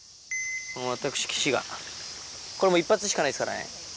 私、岸が、これも一発しかないですからね。